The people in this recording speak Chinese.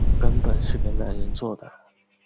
根本是给男人做的